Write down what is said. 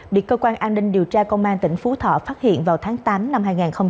bị cơ quan an ninh điều tra công an tỉnh phú thọ phát hiện vào tháng tám năm hai nghìn hai mươi ba